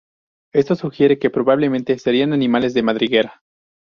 Esto sugiere que probablemente serían animales de madriguera.